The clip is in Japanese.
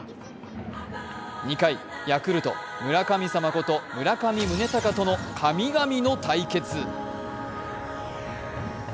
２回、ヤクルト・村神様こと村上宗隆との神々の対決。